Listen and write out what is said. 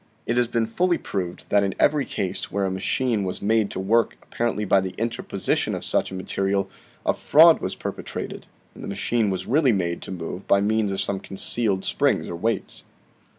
It has been fully proved that in every case where a machine was made to work apparently by the interposition of such a material, a fraud was perpetrated and the machine was really made to move by means of some concealed springs or weights.